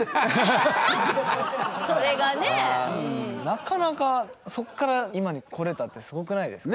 なかなかそっから今に来れたってすごくないですか。